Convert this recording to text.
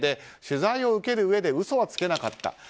取材を受けるうえで嘘はつけなかった。